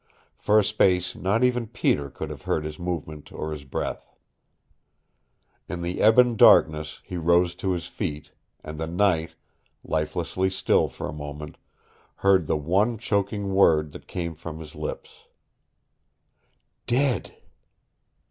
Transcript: For a space not even Peter could have heard his movement or his breath. In the ebon darkness he rose to his feet, and the night lifelessly still for a moment heard the one choking word that came from his lips. "Dead!"